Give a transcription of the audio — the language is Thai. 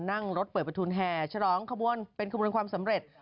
นั่งรถเปิดประทุนแห่ฉลองขบวนเป็นขบวนความสำเร็จ